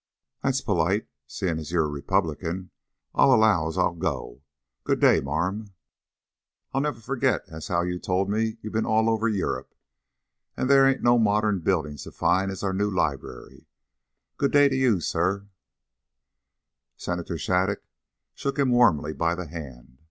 "That's perlite, seein' as you're a Republican. I allow as I'll go. Good day, marm. I'll never forgit as how you told me you'd bin all over Yurrup and that there ain't no modern buildin' so fine as our new Library. Good day to ye, sirs." Senator Shattuc shook him warmly by the hand.